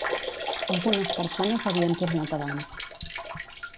Algunes persones havien tornat abans.